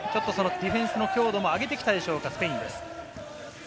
ディフェンスの強度も上げてきたでしょうか、スペインです。